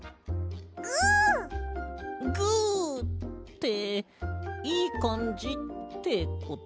グッ！グッ！っていいかんじってこと？